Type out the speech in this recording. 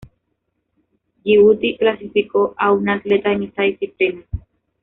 Yibuti clasificó a una atleta en esta disciplina.